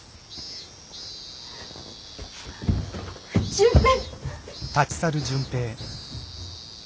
純平！